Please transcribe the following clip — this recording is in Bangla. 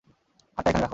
হাতটা এখানে রাখ!